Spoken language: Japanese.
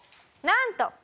なんと。